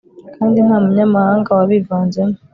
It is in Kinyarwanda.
kandi nta munyamahanga wabivanzemo